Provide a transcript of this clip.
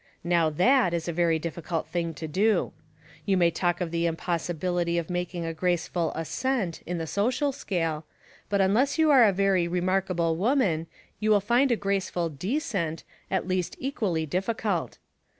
Now that is a very difficult thing to do. You may talk of the impossibility of making a graceful ascent in the social scale, but unless you are a very re markable woman you will find a graceful descent at least equally difficult.